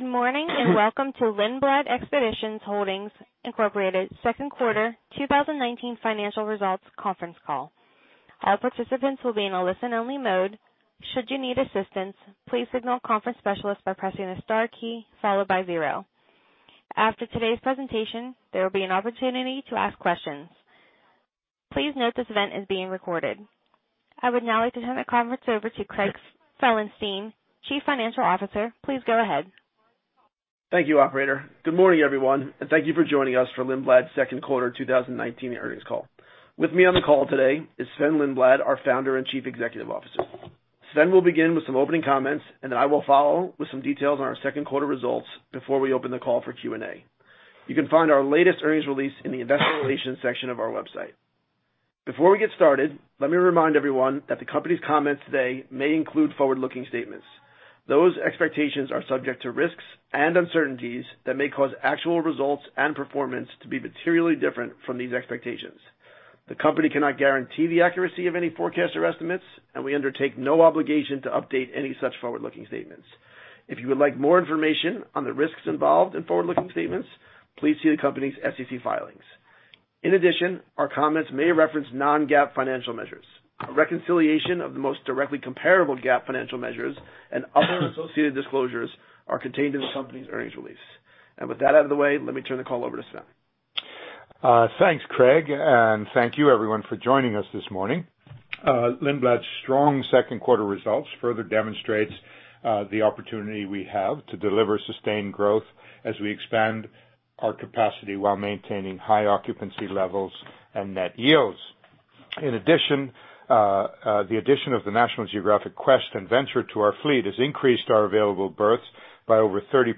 Good morning. Welcome to Lindblad Expeditions Holdings Incorporated second quarter 2019 financial results conference call. All participants will be in a listen-only mode. Should you need assistance, please signal conference specialist by pressing the star key followed by 0. After today's presentation, there will be an opportunity to ask questions. Please note this event is being recorded. I would now like to turn the conference over to Craig Felenstein, Chief Financial Officer. Please go ahead. Thank you, operator. Good morning, everyone. Thank you for joining us for Lindblad's second quarter 2019 earnings call. With me on the call today is Sven Lindblad, our Founder and Chief Executive Officer. Sven will begin with some opening comments. Then I will follow with some details on our second quarter results before we open the call for Q&A. You can find our latest earnings release in the investor relations section of our website. Before we get started, let me remind everyone that the company's comments today may include forward-looking statements. Those expectations are subject to risks and uncertainties that may cause actual results and performance to be materially different from these expectations. The company cannot guarantee the accuracy of any forecasts or estimates. We undertake no obligation to update any such forward-looking statements. If you would like more information on the risks involved in forward-looking statements, please see the company's SEC filings. In addition, our comments may reference non-GAAP financial measures. A reconciliation of the most directly comparable GAAP financial measures and other associated disclosures are contained in the company's earnings release. With that out of the way, let me turn the call over to Sven. Thanks, Craig, and thank you everyone for joining us this morning. Lindblad's strong second quarter results further demonstrates the opportunity we have to deliver sustained growth as we expand our capacity while maintaining high occupancy levels and net yields. In addition, the addition of the National Geographic Quest and Venture to our fleet has increased our available berths by over 30%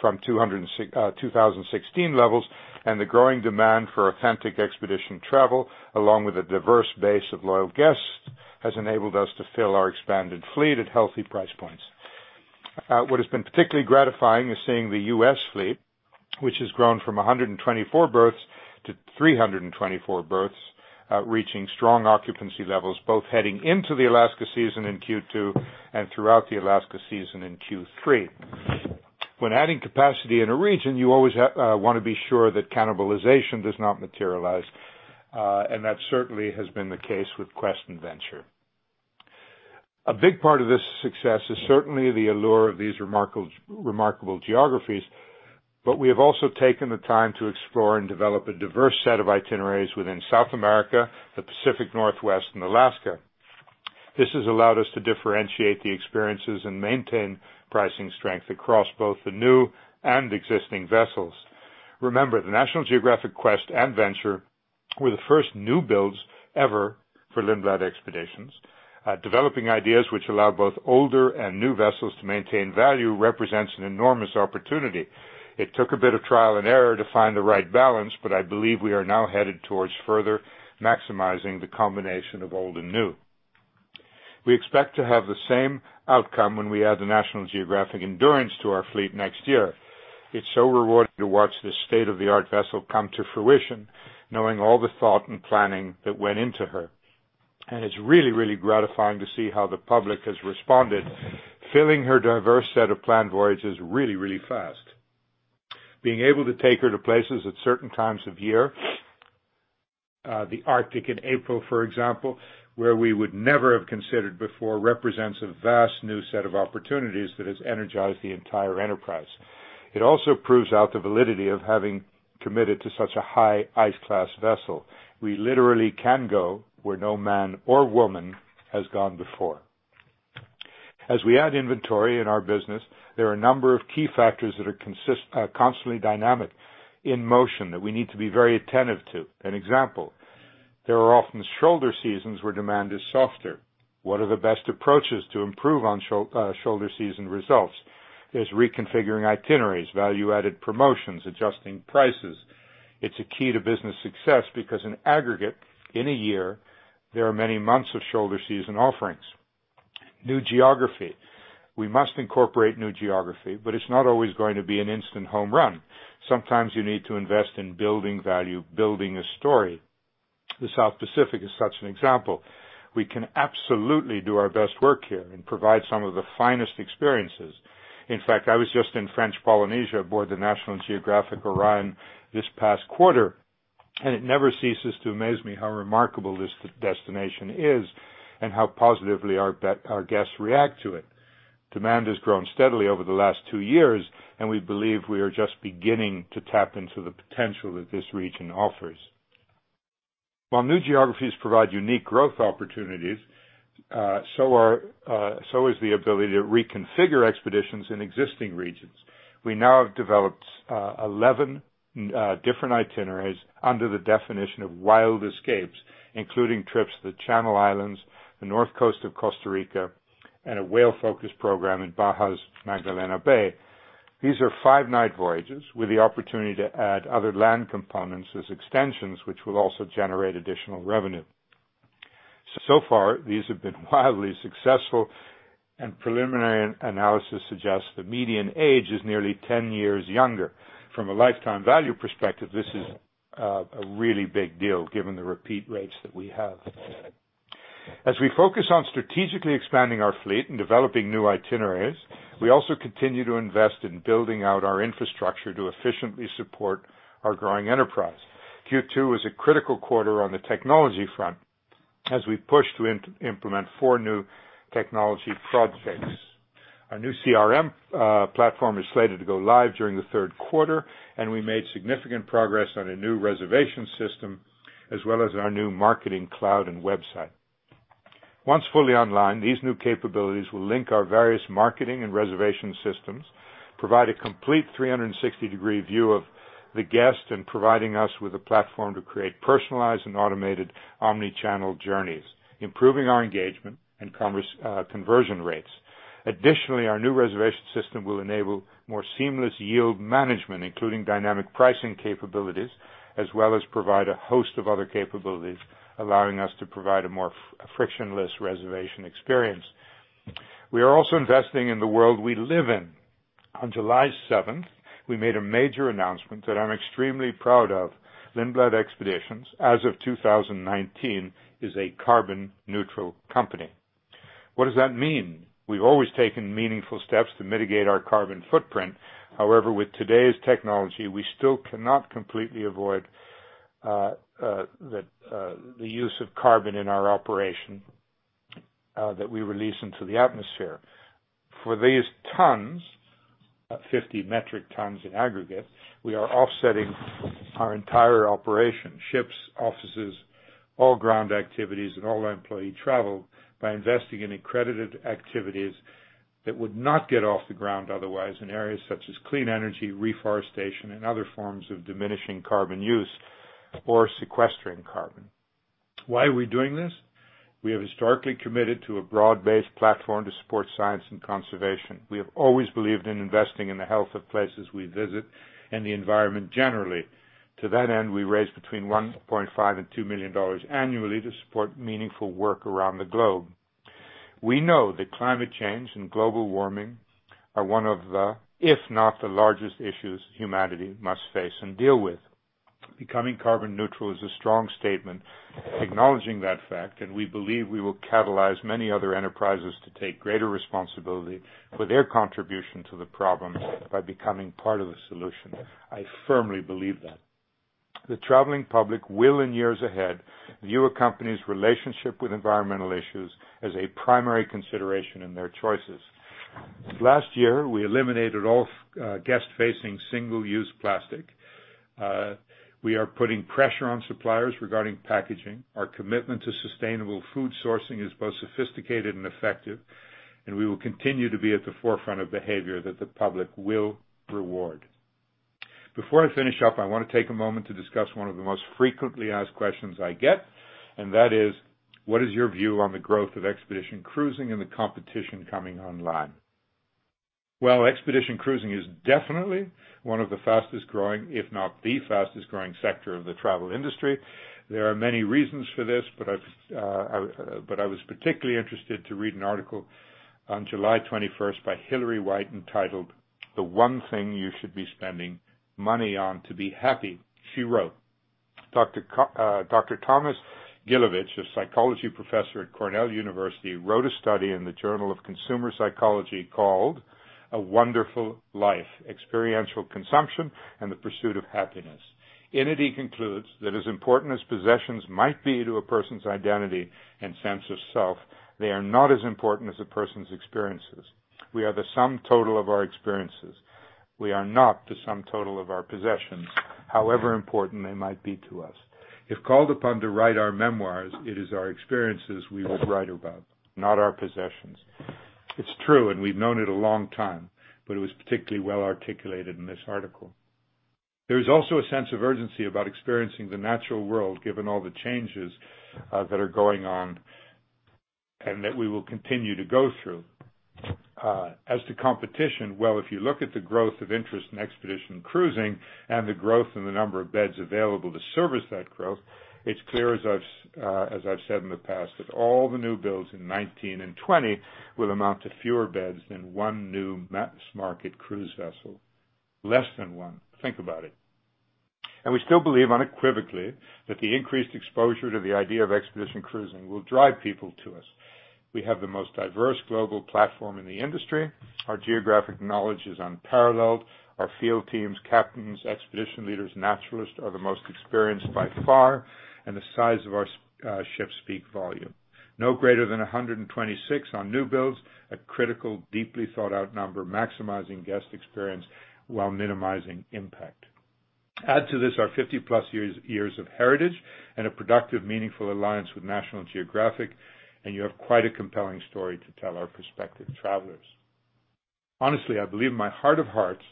from 2016 levels. The growing demand for authentic expedition travel, along with a diverse base of loyal guests, has enabled us to fill our expanded fleet at healthy price points. What has been particularly gratifying is seeing the U.S. fleet, which has grown from 124 berths to 324 berths, reaching strong occupancy levels, both heading into the Alaska season in Q2 and throughout the Alaska season in Q3. When adding capacity in a region, you always want to be sure that cannibalization does not materialize. That certainly has been the case with Quest and Venture. A big part of this success is certainly the allure of these remarkable geographies, but we have also taken the time to explore and develop a diverse set of itineraries within South America, the Pacific Northwest, and Alaska. This has allowed us to differentiate the experiences and maintain pricing strength across both the new and existing vessels. Remember, the National Geographic Quest and Venture were the first new builds ever for Lindblad Expeditions. Developing ideas which allow both older and new vessels to maintain value represents an enormous opportunity. It took a bit of trial and error to find the right balance, but I believe we are now headed towards further maximizing the combination of old and new. We expect to have the same outcome when we add the National Geographic Endurance to our fleet next year. It's so rewarding to watch this state-of-the-art vessel come to fruition, knowing all the thought and planning that went into her. It's really gratifying to see how the public has responded, filling her diverse set of planned voyages really fast. Being able to take her to places at certain times of year, the Arctic in April, for example, where we would never have considered before, represents a vast new set of opportunities that has energized the entire enterprise. It also proves out the validity of having committed to such a high ice class vessel. We literally can go where no man or woman has gone before. As we add inventory in our business, there are a number of key factors that are constantly dynamic in motion that we need to be very attentive to. An example, there are often shoulder seasons where demand is softer. What are the best approaches to improve on shoulder season results? There's reconfiguring itineraries, value-added promotions, adjusting prices. It's a key to business success because in aggregate, in a year, there are many months of shoulder season offerings. New geography. We must incorporate new geography, but it's not always going to be an instant home run. Sometimes you need to invest in building value, building a story. The South Pacific is such an example. We can absolutely do our best work here and provide some of the finest experiences. In fact, I was just in French Polynesia aboard the National Geographic Orion this past quarter, and it never ceases to amaze me how remarkable this destination is and how positively our guests react to it. Demand has grown steadily over the last two years, and we believe we are just beginning to tap into the potential that this region offers. While new geographies provide unique growth opportunities, so is the ability to reconfigure expeditions in existing regions. We now have developed 11 different itineraries under the definition of Wild Escapes, including trips to the Channel Islands, the North Coast of Costa Rica, and a whale-focused program in Baja's Magdalena Bay. These are five-night voyages with the opportunity to add other land components as extensions, which will also generate additional revenue. So far, these have been wildly successful, and preliminary analysis suggests the median age is nearly 10 years younger. From a lifetime value perspective, this is a really big deal given the repeat rates that we have. As we focus on strategically expanding our fleet and developing new itineraries, we also continue to invest in building out our infrastructure to efficiently support our growing enterprise. Q2 was a critical quarter on the technology front as we push to implement four new technology projects. Our new CRM platform is slated to go live during the third quarter, and we made significant progress on a new reservation system, as well as our new marketing cloud and website. Once fully online, these new capabilities will link our various marketing and reservation systems, provide a complete 360-degree view of the guest, and provide us with a platform to create personalized and automated omnichannel journeys, improving our engagement and conversion rates. Additionally, our new reservation system will enable more seamless yield management, including dynamic pricing capabilities, as well as provide a host of other capabilities, allowing us to provide a more frictionless reservation experience. We are also investing in the world we live in. On July 7th, we made a major announcement that I'm extremely proud of. Lindblad Expeditions, as of 2019, is a carbon-neutral company. What does that mean? We've always taken meaningful steps to mitigate our carbon footprint. However, with today's technology, we still cannot completely avoid the use of carbon in our operation that we release into the atmosphere. For these tons, 50 metric tons in aggregate, we are offsetting our entire operation, ships, offices, all ground activities, and all employee travel by investing in accredited activities that would not get off the ground otherwise in areas such as clean energy, reforestation, and other forms of diminishing carbon use or sequestering carbon. Why are we doing this? We have historically committed to a broad-based platform to support science and conservation. We have always believed in investing in the health of places we visit and the environment generally. To that end, we raise between $1.5 and $2 million annually to support meaningful work around the globe. We know that climate change and global warming are one of the, if not the largest, issues humanity must face and deal with. Becoming carbon neutral is a strong statement acknowledging that fact. We believe we will catalyze many other enterprises to take greater responsibility for their contribution to the problem by becoming part of the solution. I firmly believe that. The traveling public will, in years ahead, view a company's relationship with environmental issues as a primary consideration in their choices. Last year, we eliminated all guest-facing single-use plastic. We are putting pressure on suppliers regarding packaging. Our commitment to sustainable food sourcing is both sophisticated and effective. We will continue to be at the forefront of behavior that the public will reward. Before I finish up, I want to take a moment to discuss one of the most frequently asked questions I get, and that is, what is your view on the growth of expedition cruising and the competition coming online? Well, expedition cruising is definitely one of the fastest-growing, if not the fastest-growing, sector of the travel industry. There are many reasons for this, but I was particularly interested to read an article on July 21st by Hilary White entitled, "The One Thing You Should Be Spending Money On to Be Happy." She wrote, "Dr. Thomas Gilovich, a psychology professor at Cornell University, wrote a study in the Journal of Consumer Psychology called 'A Wonderful Life: Experiential Consumption and the Pursuit of Happiness.' In it, he concludes that as important as possessions might be to a person's identity and sense of self, they are not as important as a person's experiences. We are the sum total of our experiences. We are not the sum total of our possessions, however important they might be to us. If called upon to write our memoirs, it is our experiences we will write about, not our possessions." It's true, and we've known it a long time, but it was particularly well articulated in this article. There is also a sense of urgency about experiencing the natural world, given all the changes that are going on and that we will continue to go through. As to competition, well, if you look at the growth of interest in expedition cruising and the growth in the number of beds available to service that growth, it's clear, as I've said in the past, that all the new builds in 2019 and 2020 will amount to fewer beds than one new mass-market cruise vessel. Less than one. Think about it. We still believe unequivocally that the increased exposure to the idea of expedition cruising will drive people to us. We have the most diverse global platform in the industry. Our geographic knowledge is unparalleled. Our field teams, captains, expedition leaders, naturalists are the most experienced by far, and the size of our ships speak volumes. No greater than 126 on new builds, a critical, deeply thought-out number, maximizing guest experience while minimizing impact. Add to this our 50-plus years of heritage and a productive, meaningful alliance with National Geographic, and you have quite a compelling story to tell our prospective travelers. Honestly, I believe in my heart of hearts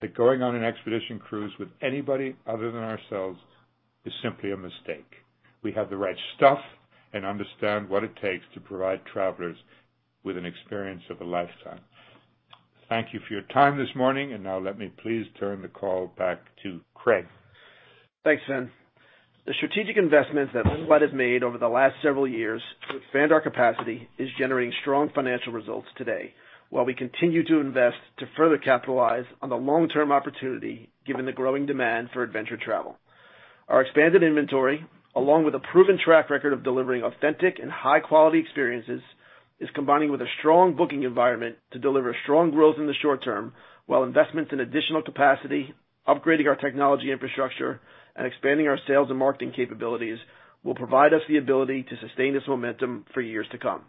that going on an expedition cruise with anybody other than ourselves is simply a mistake. We have the right stuff and understand what it takes to provide travelers with an experience of a lifetime. Thank you for your time this morning, and now let me please turn the call back to Craig. Thanks, Sven. The strategic investments that Lindblad has made over the last several years to expand our capacity is generating strong financial results today while we continue to invest to further capitalize on the long-term opportunity, given the growing demand for adventure travel. Our expanded inventory, along with a proven track record of delivering authentic and high-quality experiences, is combining with a strong booking environment to deliver strong growth in the short term while investments in additional capacity, upgrading our technology infrastructure, and expanding our sales and marketing capabilities will provide us the ability to sustain this momentum for years to come.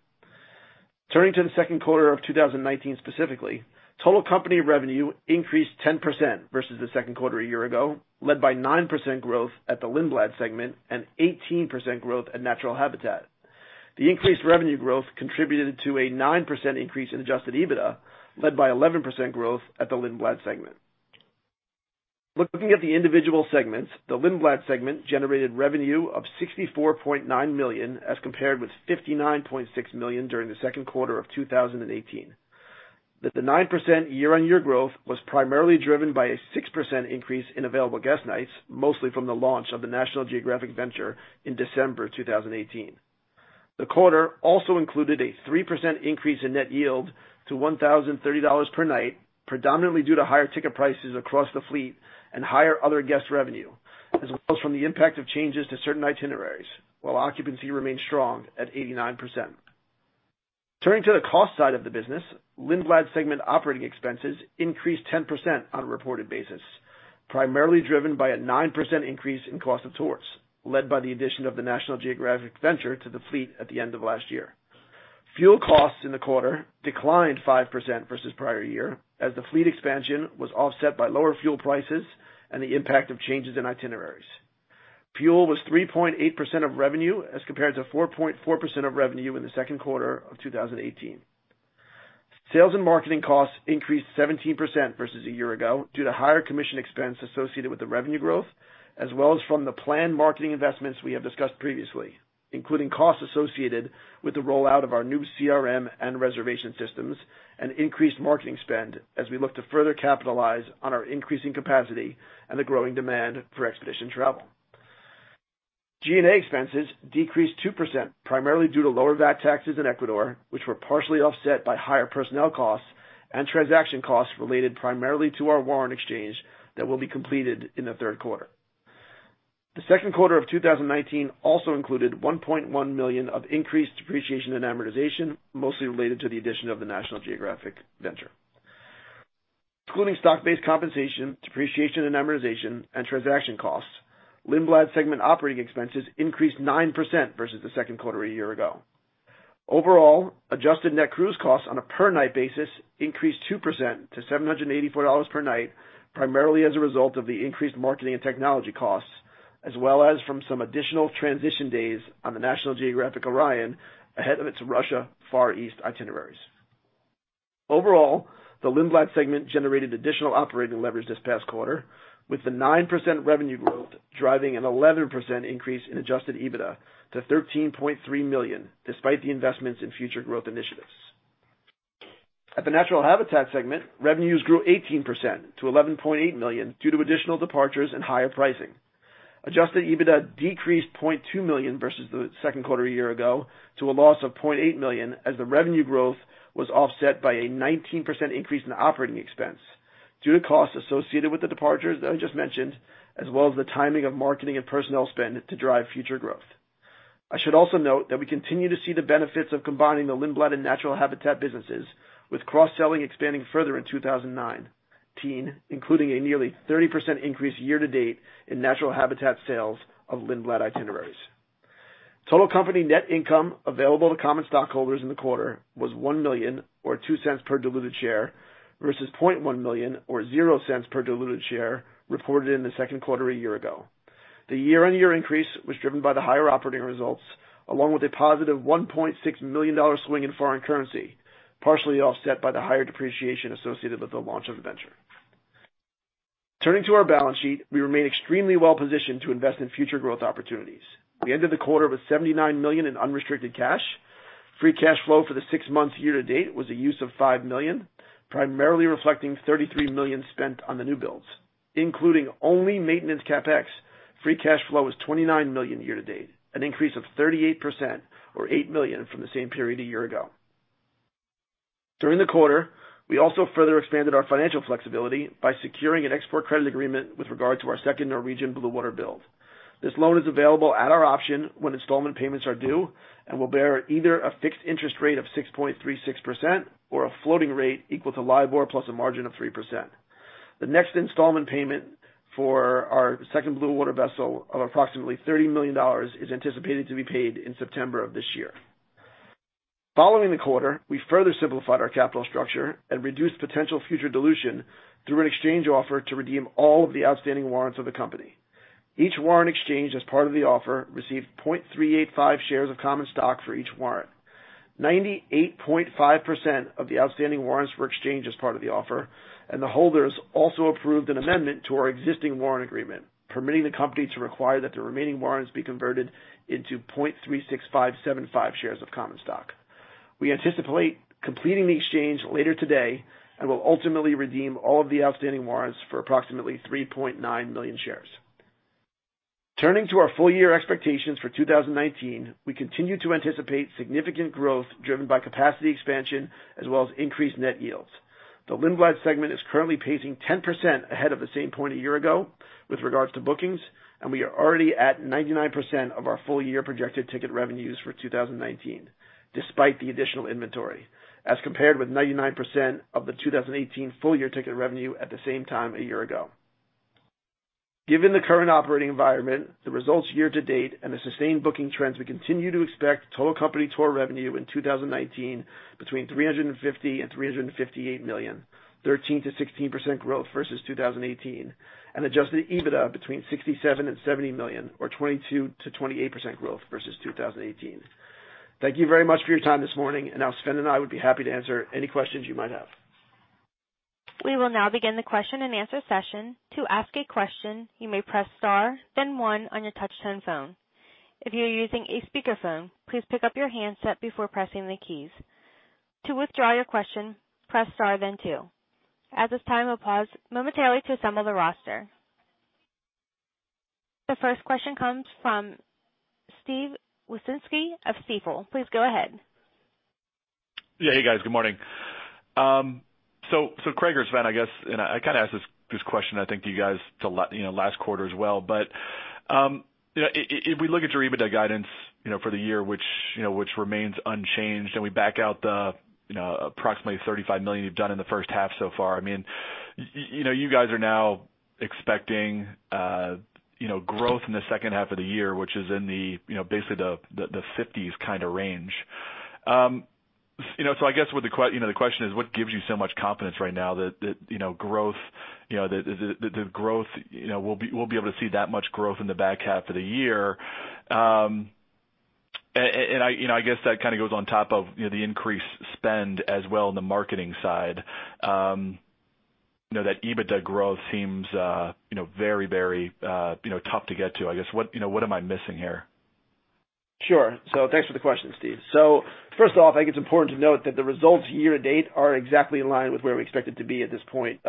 Turning to the second quarter of 2019 specifically, total company revenue increased 10% versus the second quarter a year ago, led by 9% growth at the Lindblad segment and 18% growth at Natural Habitat. The increased revenue growth contributed to a 9% increase in adjusted EBITDA, led by 11% growth at the Lindblad segment. Looking at the individual segments, the Lindblad segment generated revenue of $64.9 million as compared with $59.6 million during the second quarter of 2018. The 9% year-on-year growth was primarily driven by a 6% increase in available guest nights, mostly from the launch of the National Geographic Venture in December 2018. The quarter also included a 3% increase in net yield to $1,030 per night, predominantly due to higher ticket prices across the fleet and higher other guest revenue, as well as from the impact of changes to certain itineraries, while occupancy remained strong at 89%. Turning to the cost side of the business, Lindblad segment operating expenses increased 10% on a reported basis, primarily driven by a 9% increase in cost of tours, led by the addition of the National Geographic Venture to the fleet at the end of last year. Fuel costs in the quarter declined 5% versus prior year, as the fleet expansion was offset by lower fuel prices and the impact of changes in itineraries. Fuel was 3.8% of revenue as compared to 4.4% of revenue in the second quarter of 2018. Sales and marketing costs increased 17% versus a year ago due to higher commission expense associated with the revenue growth, as well as from the planned marketing investments we have discussed previously, including costs associated with the rollout of our new CRM and reservation systems and increased marketing spend as we look to further capitalize on our increasing capacity and the growing demand for expedition travel. G&A expenses decreased 2%, primarily due to lower VAT taxes in Ecuador, which were partially offset by higher personnel costs and transaction costs related primarily to our warrant exchange that will be completed in the third quarter. The second quarter of 2019 also included $1.1 million of increased depreciation and amortization, mostly related to the addition of the National Geographic Venture. Excluding stock-based compensation, depreciation and amortization, and transaction costs, Lindblad segment operating expenses increased 9% versus the second quarter a year ago. Overall, adjusted net cruise costs on a per-night basis increased 2% to $784 per night, primarily as a result of the increased marketing and technology costs, as well as from some additional transition days on the National Geographic Orion ahead of its Russia Far East itineraries. Overall, the Lindblad segment generated additional operating leverage this past quarter, with the 9% revenue growth driving an 11% increase in adjusted EBITDA to $13.3 million, despite the investments in future growth initiatives. At the Natural Habitat segment, revenues grew 18% to $11.8 million due to additional departures and higher pricing. Adjusted EBITDA decreased $0.2 million versus the second quarter a year ago to a loss of $0.8 million as the revenue growth was offset by a 19% increase in operating expense due to costs associated with the departures that I just mentioned, as well as the timing of marketing and personnel spend to drive future growth. I should also note that we continue to see the benefits of combining the Lindblad and Natural Habitat businesses, with cross-selling expanding further in 2019, including a nearly 30% increase year-to-date in Natural Habitat sales of Lindblad itineraries. Total company net income available to common stockholders in the quarter was $1 million or $0.02 per diluted share versus $0.1 million or $0.00 per diluted share reported in the second quarter a year ago. The year-on-year increase was driven by the higher operating results, along with a positive $1.6 million swing in foreign currency, partially offset by the higher depreciation associated with the launch of the Venture. Turning to our balance sheet, we remain extremely well-positioned to invest in future growth opportunities. We ended the quarter with $79 million in unrestricted cash. Free cash flow for the six months year-to-date was a use of $5 million, primarily reflecting $33 million spent on the new builds. Including only maintenance CapEx, free cash flow was $29 million year-to-date, an increase of 38% or $8 million from the same period a year ago. During the quarter, we also further expanded our financial flexibility by securing an export credit agreement with regard to our second Norwegian Blue Water build. This loan is available at our option when installment payments are due and will bear either a fixed interest rate of 6.36% or a floating rate equal to LIBOR plus a margin of 3%. The next installment payment for our second Blue Water vessel of approximately $30 million is anticipated to be paid in September of this year. Following the quarter, we further simplified our capital structure and reduced potential future dilution through an exchange offer to redeem all of the outstanding warrants of the company. Each warrant exchanged as part of the offer received 0.385 shares of common stock for each warrant. 98.5% of the outstanding warrants were exchanged as part of the offer, and the holders also approved an amendment to our existing warrant agreement, permitting the company to require that the remaining warrants be converted into 0.36575 shares of common stock. We anticipate completing the exchange later today and will ultimately redeem all of the outstanding warrants for approximately 3.9 million shares. Turning to our full-year expectations for 2019, we continue to anticipate significant growth driven by capacity expansion as well as increased net yields. The Lindblad segment is currently pacing 10% ahead of the same point a year ago with regards to bookings, and we are already at 99% of our full-year projected ticket revenues for 2019, despite the additional inventory, as compared with 99% of the 2018 full-year ticket revenue at the same time a year ago. Given the current operating environment, the results year to date, and the sustained booking trends, we continue to expect total company tour revenue in 2019 between $350 million and $358 million, 13%-16% growth versus 2018, and adjusted EBITDA between $67 million and $70 million, or 22%-28% growth versus 2018. Thank you very much for your time this morning. Now Sven and I would be happy to answer any questions you might have. We will now begin the question and answer session. To ask a question, you may press star then one on your touch-tone phone. If you are using a speakerphone, please pick up your handset before pressing the keys. To withdraw your question, press star then two. At this time, we'll pause momentarily to assemble the roster. The first question comes from Steve Wieczynski of Stifel. Please go ahead. Yeah. Hey, guys. Good morning. Craig or Sven, I guess, and I kind of asked this question, I think, to you guys last quarter as well, but if we look at your EBITDA guidance for the year which remains unchanged, and we back out the approximately $35 million you've done in the first half so far, you guys are now expecting growth in the second half of the year, which is in basically the fifties range. I guess the question is, what gives you so much confidence right now that we'll be able to see that much growth in the back half of the year? I guess that goes on top of the increased spend as well in the marketing side. That EBITDA growth seems very tough to get to, I guess. What am I missing here? Sure. Thanks for the question, Steve. First off, I think it's important to note that the results year-to-date are exactly in line with where we expect it to be at this point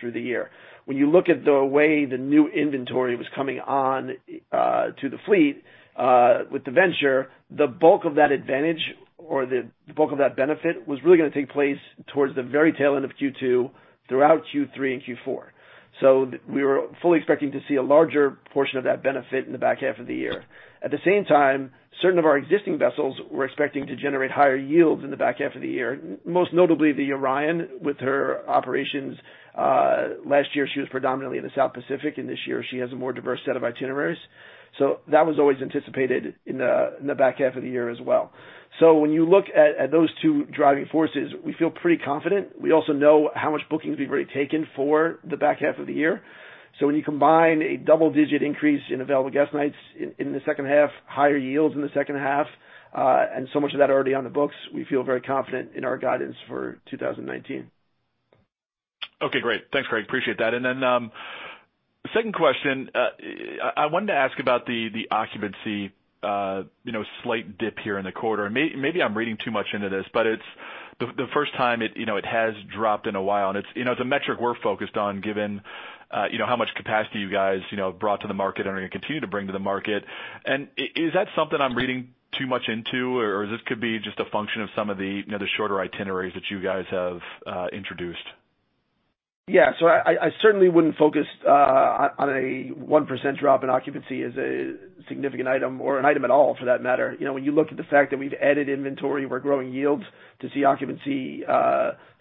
through the year. When you look at the way the new inventory was coming on to the fleet with the Venture, the bulk of that advantage or the bulk of that benefit was really going to take place towards the very tail end of Q2 throughout Q3 and Q4. At the same time, certain of our existing vessels were expecting to generate higher yields in the back half of the year, most notably the Orion with her operations. Last year, she was predominantly in the South Pacific, and this year she has a more diverse set of itineraries. That was always anticipated in the back half of the year as well. When you look at those two driving forces, we feel pretty confident. We also know how much bookings we've already taken for the back half of the year. When you combine a double-digit increase in available guest nights in the second half, higher yields in the second half, and so much of that already on the books, we feel very confident in our guidance for 2019. Okay, great. Thanks, Craig. Appreciate that. Second question. I wanted to ask about the occupancy slight dip here in the quarter. Maybe I'm reading too much into this, but it's the first time it has dropped in a while, and it's a metric we're focused on given how much capacity you guys brought to the market and are going to continue to bring to the market. Is that something I'm reading too much into, or this could be just a function of some of the shorter itineraries that you guys have introduced? Yeah. I certainly wouldn't focus on a 1% drop in occupancy as a significant item or an item at all for that matter. When you look at the fact that we've added inventory, we're growing yields, to see occupancy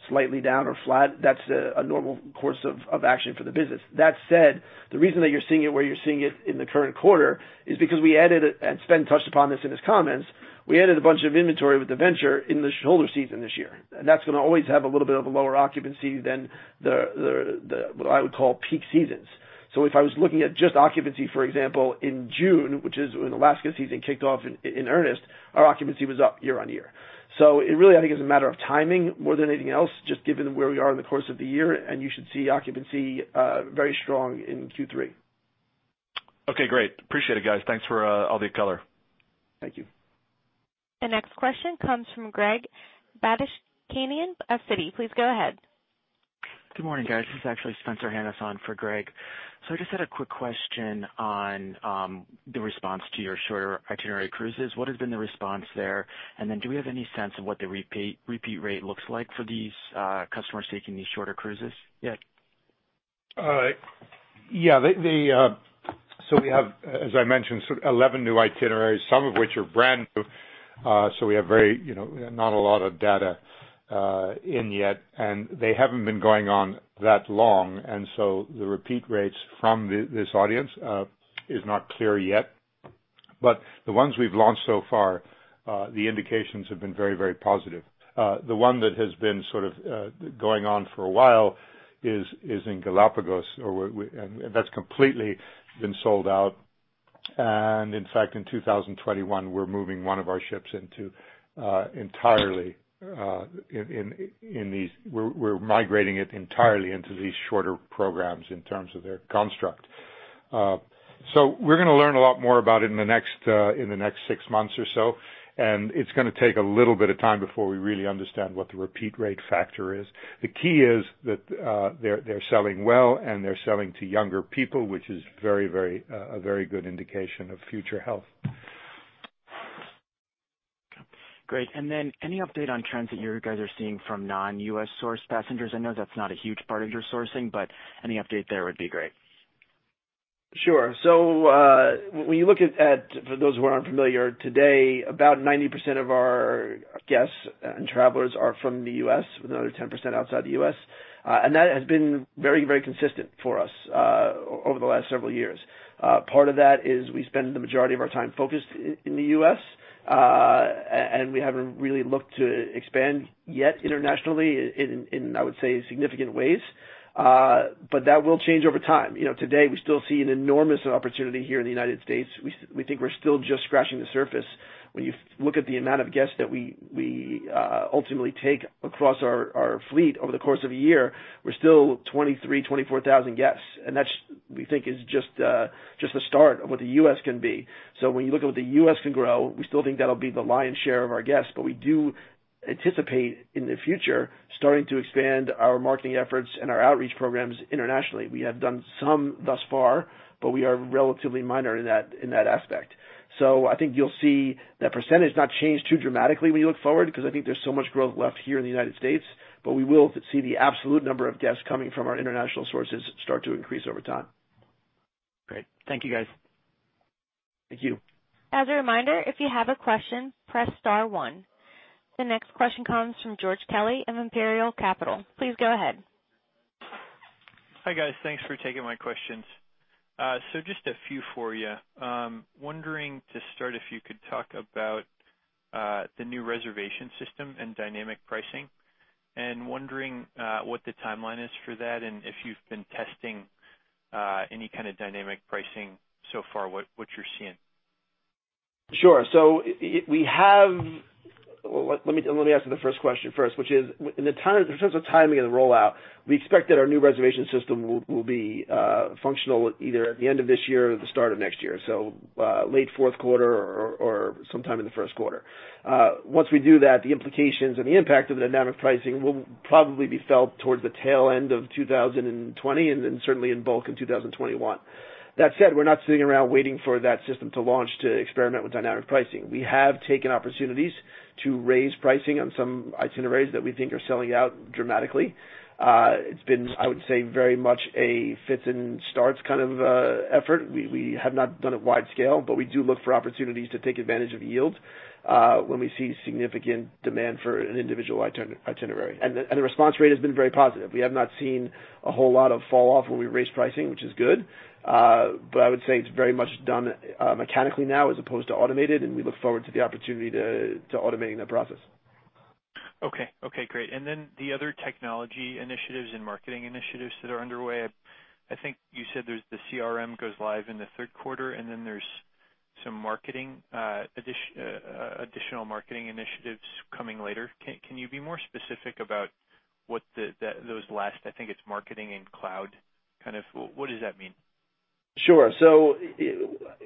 slightly down or flat, that's a normal course of action for the business. That said, the reason that you're seeing it where you're seeing it in the current quarter is because we added, and Sven touched upon this in his comments, we added a bunch of inventory with the Venture in the shoulder season this year, and that's going to always have a little bit of a lower occupancy than what I would call peak seasons. If I was looking at just occupancy, for example, in June, which is when Alaska season kicked off in earnest, our occupancy was up year-on-year. It really, I think it's a matter of timing more than anything else, just given where we are in the course of the year, you should see occupancy very strong in Q3. Okay, great. Appreciate it, guys. Thanks for all the color. Thank you. The next question comes from Greg Badishkanian of Citi. Please go ahead. Good morning, guys. This is actually Spencer Hanson for Greg. I just had a quick question on the response to your shorter itinerary cruises. What has been the response there? Do we have any sense of what the repeat rate looks like for these customers taking these shorter cruises yet? Yeah. We have, as I mentioned, 11 new itineraries, some of which are brand new. We have not a lot of data in yet, and they haven't been going on that long, and so the repeat rates from this audience is not clear yet. The ones we've launched so far, the indications have been very positive. The one that has been sort of going on for a while is in Galapagos, and that's completely been sold out. In fact, in 2021, we're migrating it entirely into these shorter programs in terms of their construct. We're going to learn a lot more about it in the next six months or so, and it's going to take a little bit of time before we really understand what the repeat rate factor is. The key is that they're selling well, and they're selling to younger people, which is a very good indication of future health. Great. Then any update on trends that you guys are seeing from non-U.S. source passengers? I know that's not a huge part of your sourcing, but any update there would be great. Sure. When you look at, for those who are unfamiliar, today, about 90% of our guests and travelers are from the U.S., with another 10% outside the U.S. That has been very consistent for us over the last several years. Part of that is we spend the majority of our time focused in the U.S., and we haven't really looked to expand yet internationally in, I would say, significant ways. That will change over time. Today, we still see an enormous opportunity here in the United States. We think we're still just scratching the surface. When you look at the amount of guests that we ultimately take across our fleet over the course of a year, we're still 23,000, 24,000 guests, and that we think is just the start of what the U.S. can be. When you look at what the U.S. can grow, we still think that'll be the lion's share of our guests. We do anticipate, in the future, starting to expand our marketing efforts and our outreach programs internationally. We have done some thus far, but we are relatively minor in that aspect. I think you'll see that percentage not change too dramatically when you look forward, because I think there's so much growth left here in the United States. We will see the absolute number of guests coming from our international sources start to increase over time. Great. Thank you, guys. Thank you. As a reminder, if you have a question, press *1. The next question comes from George Kelly of Imperial Capital. Please go ahead. Hi, guys. Thanks for taking my questions. Just a few for you. Wondering to start, if you could talk about the new reservation system and dynamic pricing, and wondering what the timeline is for that, and if you've been testing any kind of dynamic pricing so far, what you're seeing? Sure. Let me answer the first question first, which is, in terms of timing of the rollout, we expect that our new reservation system will be functional either at the end of this year or the start of next year. Late fourth quarter or sometime in the first quarter. Once we do that, the implications and the impact of the dynamic pricing will probably be felt towards the tail end of 2020, and then certainly in bulk in 2021. That said, we're not sitting around waiting for that system to launch to experiment with dynamic pricing. We have taken opportunities to raise pricing on some itineraries that we think are selling out dramatically. It's been, I would say, very much a fits and starts kind of effort. We have not done it wide scale, but we do look for opportunities to take advantage of yields when we see significant demand for an individual itinerary. The response rate has been very positive. We have not seen a whole lot of fall off when we raise pricing, which is good. I would say it's very much done mechanically now as opposed to automated, and we look forward to the opportunity to automating that process. Okay. Great. The other technology initiatives and marketing initiatives that are underway, I think you said there's the CRM goes live in the third quarter, and then there's some additional marketing initiatives coming later. Can you be more specific about what those last, I think it's marketing and cloud, what does that mean? Sure.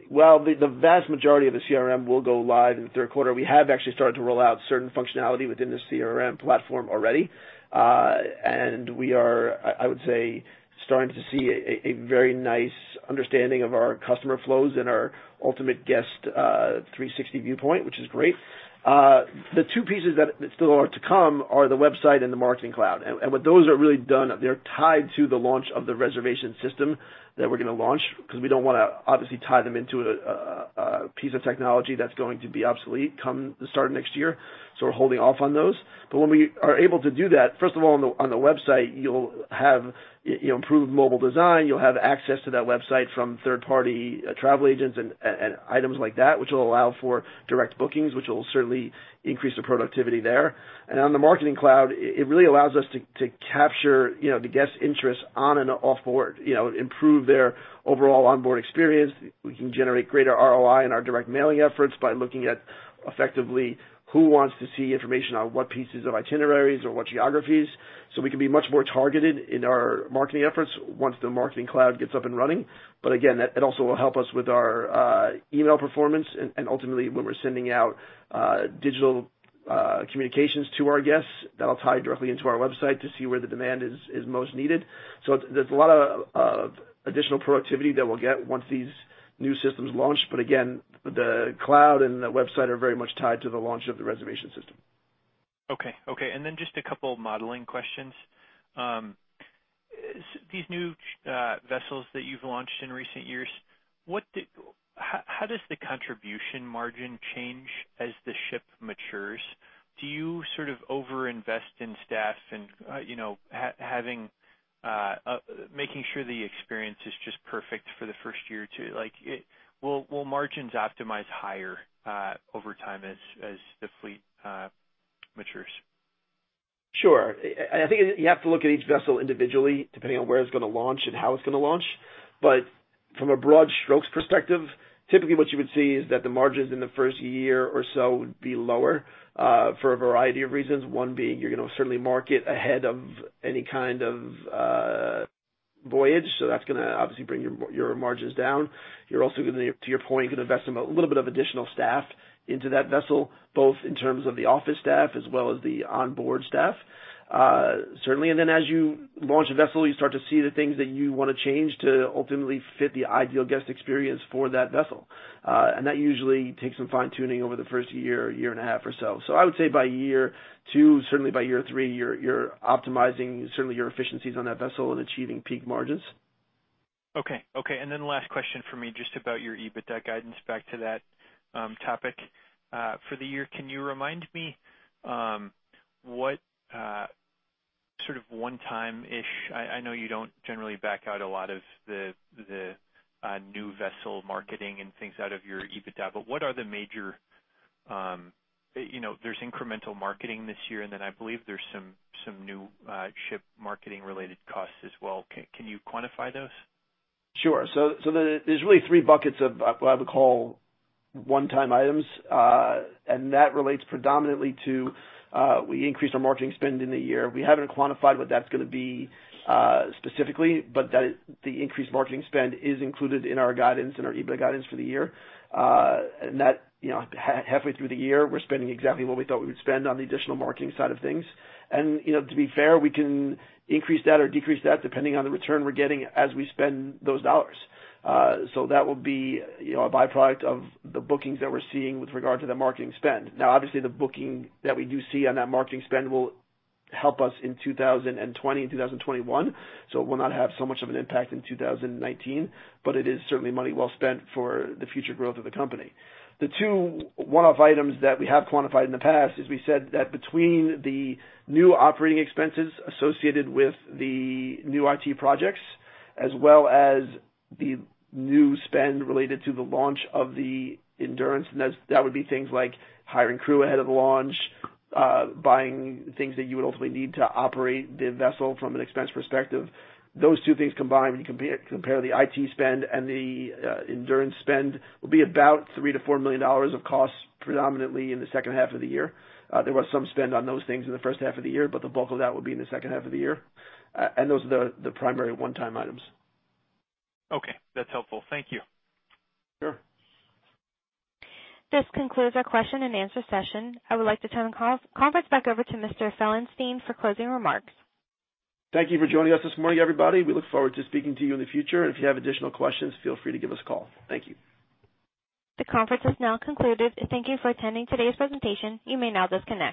While the vast majority of the CRM will go live in the third quarter, we have actually started to roll out certain functionality within the CRM platform already. We are, I would say, starting to see a very nice understanding of our customer flows and our ultimate guest 360 viewpoint, which is great. The two pieces that still are to come are the website and the marketing cloud. What those are really done, they're tied to the launch of the reservation system that we're going to launch because we don't want to obviously tie them into a piece of technology that's going to be obsolete come the start of next year. We're holding off on those. When we are able to do that, first of all, on the website, you'll have improved mobile design. You'll have access to that website from third-party travel agents and items like that, which will allow for direct bookings, which will certainly increase the productivity there. On the marketing cloud, it really allows us to capture the guest's interest on and off-board, improve their overall onboard experience. We can generate greater ROI in our direct mailing efforts by looking at effectively who wants to see information on what pieces of itineraries or what geographies. We can be much more targeted in our marketing efforts once the marketing cloud gets up and running. Again, it also will help us with our email performance, and ultimately when we're sending out digital communications to our guests, that'll tie directly into our website to see where the demand is most needed. There's a lot of additional productivity that we'll get once these new systems launch. Again, the cloud and the website are very much tied to the launch of the reservation system. Okay. Just a couple modeling questions. These new vessels that you've launched in recent years, how does the contribution margin change as the ship matures? Do you sort of over-invest in staff and making sure the experience is just perfect for the first year or two? Will margins optimize higher over time as the fleet matures? Sure. I think you have to look at each vessel individually, depending on where it's going to launch and how it's going to launch. From a broad strokes perspective, typically what you would see is that the margins in the first year or so would be lower for a variety of reasons. One being you're going to certainly market ahead of any kind of voyage. That's going to obviously bring your margins down. You're also going to your point, going to invest a little bit of additional staff into that vessel, both in terms of the office staff as well as the onboard staff. Certainly, as you launch a vessel, you start to see the things that you want to change to ultimately fit the ideal guest experience for that vessel. That usually takes some fine-tuning over the first year and a half or so. I would say by year two, certainly by year three, you're optimizing certainly your efficiencies on that vessel and achieving peak margins. Okay. Last question for me, just about your EBITDA guidance, back to that topic. For the year, can you remind me what sort of one-time-ish I know you don't generally back out a lot of the new vessel marketing and things out of your EBITDA, but what are the major, there's incremental marketing this year, and then I believe there's some new ship marketing related costs as well. Can you quantify those? Sure. There's really three buckets of what I would call one-time items. That relates predominantly to we increased our marketing spend in the year. We haven't quantified what that's going to be specifically, but the increased marketing spend is included in our guidance and our EBITDA guidance for the year. That halfway through the year, we're spending exactly what we thought we would spend on the additional marketing side of things. To be fair, we can increase that or decrease that depending on the return we're getting as we spend those dollars. That will be a byproduct of the bookings that we're seeing with regard to the marketing spend. Obviously the booking that we do see on that marketing spend will help us in 2020 and 2021, so it will not have so much of an impact in 2019. It is certainly money well spent for the future growth of the company. The two one-off items that we have quantified in the past is we said that between the new operating expenses associated with the new IT projects, as well as the new spend related to the launch of the Endurance, and that would be things like hiring crew ahead of the launch, buying things that you would ultimately need to operate the vessel from an expense perspective. Those two things combined, when you compare the IT spend and the Endurance spend, will be about $3 million-$4 million of costs predominantly in the second half of the year. There was some spend on those things in the first half of the year, but the bulk of that will be in the second half of the year. Those are the primary one-time items. Okay, that's helpful. Thank you. Sure. This concludes our question and answer session. I would like to turn the conference back over to Mr. Felenstein for closing remarks. Thank you for joining us this morning, everybody. We look forward to speaking to you in the future, and if you have additional questions, feel free to give us a call. Thank you. The conference is now concluded. Thank you for attending today's presentation. You may now disconnect.